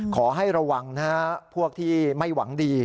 ขอให้ระวังนะฮะพวกที่ไม่หวังดี